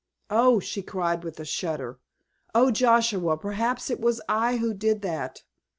"Oh," she cried with a shudder, "oh, Joshua, perhaps it was I who did that!